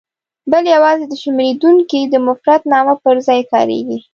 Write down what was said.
بل یوازې د شمېرېدونکي مفردنامه پر ځای کاریږي.